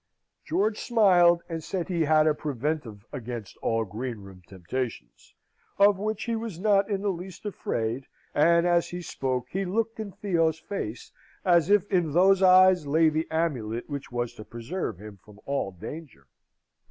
George smiled, and said he had a preventive against all greenroom temptations, of which he was not in the least afraid; and as he spoke he looked in Theo's face, as if in those eyes lay the amulet which was to preserve him from all danger.